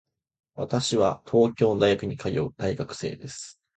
私は東京の大学に通う大学生です。